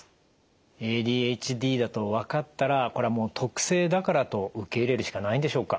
ＡＤＨＤだと分かったらこれはもう特性だからと受け入れるしかないんでしょうか？